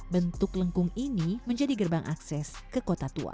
bentuk lengkung ini menjadi gerbang akses ke kota tua